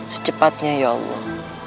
secepatnya ya allah